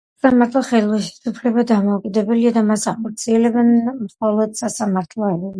სასამართლო ხელისუფლება დამოუკიდებელია და მას ახორციელებენ მხოლოდ სასამართლოები.